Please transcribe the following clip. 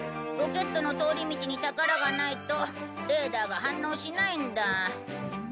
ロケットの通り道に宝がないとレーダーが反応しないんだ。